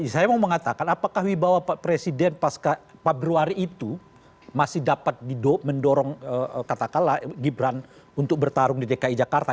saya mau mengatakan apakah wibawa presiden pas februari itu masih dapat mendorong katakanlah gibran untuk bertarung di dki jakarta